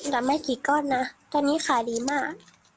ละไม่กี่ก้อนนะตอนนี้ขายดีมาก